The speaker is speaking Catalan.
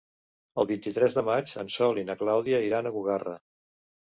El vint-i-tres de maig en Sol i na Clàudia iran a Bugarra.